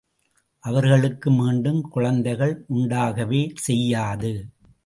அவர்களுக்கு மீண்டும் குழந்தைகள் உண்டாகவே செய்யாது.